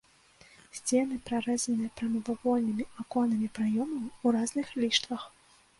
Сцены прарэзаны прамавугольнымі аконнымі праёмамі ў разных ліштвах.